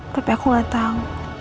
tapi aku gak tahu